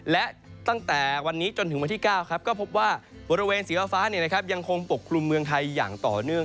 และตั้งแต่วันนี้จนถึงวันที่๙ก็พบว่าบริเวณสีฟ้ายังคงปกคลุมเมืองไทยอย่างต่อเนื่อง